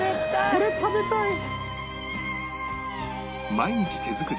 これ食べたいな。